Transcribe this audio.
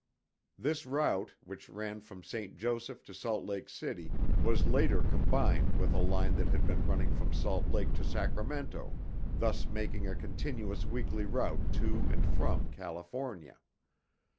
This route, which ran from St. Joseph to Salt Lake City, was later combined with a line that had been running from Salt Lake to Sacramento, thus making a continuous weekly route to and from California.